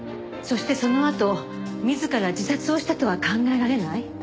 そしてそのあと自ら自殺をしたとは考えられない？